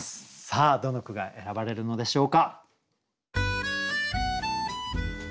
さあどの句が選ばれるのでしょうか。